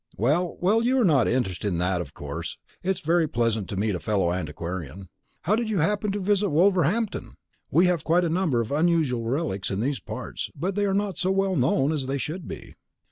Well, well, you are not interested in that, of course. It is very pleasant to meet a fellow antiquarian. How did you happen to visit Wolverhampton? We have a number of quite unusual relics in these parts, but they are not so well known as they should be."